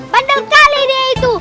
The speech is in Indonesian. bandal kali dia itu